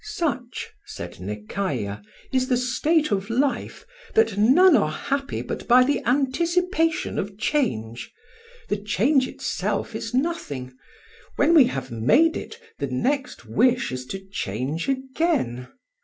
"Such," said Nekayah, "is the state of life, that none are happy but by the anticipation of change; the change itself is nothing; when we have made it the next wish is to change again.